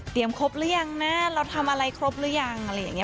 ครบหรือยังนะเราทำอะไรครบหรือยังอะไรอย่างนี้